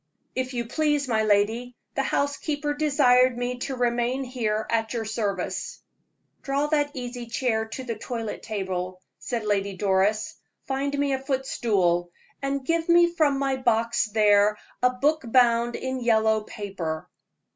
"If you please, my lady, the housekeeper desired me to remain here at your service." "Draw that easy chair to the toilet table," said Lady Doris; "find me a footstool, and give me from my box there a book bound in yellow paper."